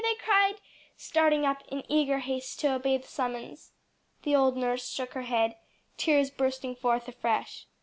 they cried, starting up in eager haste to obey the summons. The old nurse shook her head, tears bursting forth afresh.